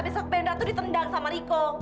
besok penda tuh ditendang sama riko